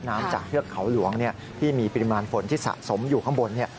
น้ำจากเทือกเขาหลวงที่มีปริมาณฝนที่สะสมอยู่ข้างบน